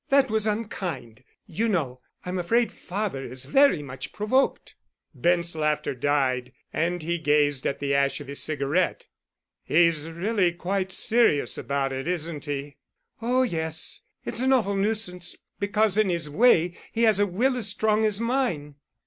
That was unkind. You know, I'm afraid father is very much provoked." Bent's laughter died, and he gazed at the ash of his cigarette. "He's really quite serious about it, isn't he?" "Oh, yes. It's an awful nuisance, because, in his way, he has a will as strong as mine."